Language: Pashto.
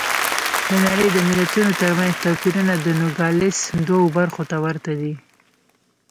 د نړۍ د ملتونو ترمنځ توپیرونه د نوګالس دوو برخو ته ورته دي.